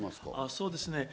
そうですね。